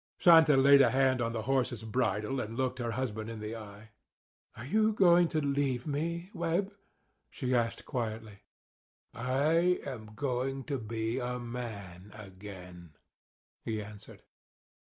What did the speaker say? Santa laid a hand on the horse's bridle, and looked her husband in the eye. "Are you going to leave me, Webb?" she asked quietly. "I am going to be a man again," he answered.